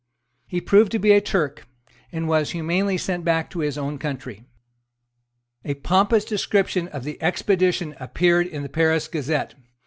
He proved to be a Turk, and was humanely sent back to his own country. A pompous description of the expedition appeared in the Paris Gazette.